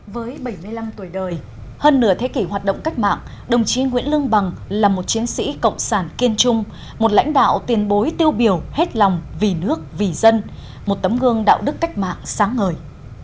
với bảy mươi năm tuổi đời hơn nửa thế kỷ hoạt động cách mạng đồng chí nguyễn lương bằng là một chiến sĩ cộng sản kiên trung một lãnh đạo tiền bối tiêu biểu hết lòng vì nước vì dân một tấm gương đạo đức cách mạng sáng ngời